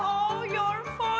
oh your voice indah banget